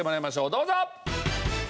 どうぞ！